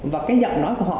và cái giọng nói của họ